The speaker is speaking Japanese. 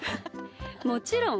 もちろん。